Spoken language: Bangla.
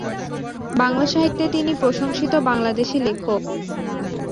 বাংলা সাহিত্যে তিনি প্রশংসিত বাংলাদেশী লেখক।